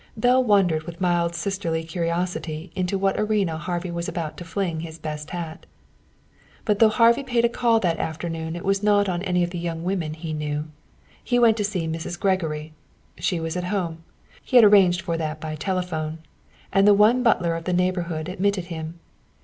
Belle wondered with mild sisterly curiosity into what arena Harvey was about to fling his best hat. But though Harvey paid a call that afternoon it was not on any of the young women he knew. He went to see Mrs. Gregory. She was at home he had arranged for that by telephone and the one butler of the neighborhood admitted him.